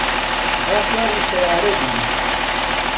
با سواری سەیارە بین.